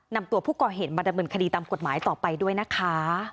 นำตัวผู้ก่อเหตุมาดำเนินคดีตามกฎหมายต่อไปด้วยนะคะ